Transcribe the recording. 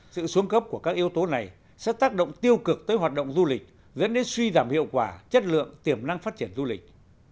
sự xuống cấp của các yếu tố này sẽ tác động tiêu cực tới hoạt động du lịch dẫn đến suy giảm hiệu quả chất lượng tiềm năng phát triển du lịch